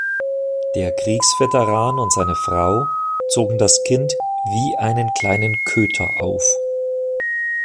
Der Kriegsveteran und seine Frau zogen das Kind „wie einen kleinen Köter“ auf.